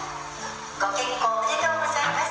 ご結婚おめでとうございます。